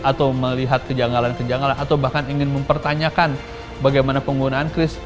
atau melihat kejanggalan kejanggalan atau bahkan ingin mempertanyakan bagaimana penggunaan kris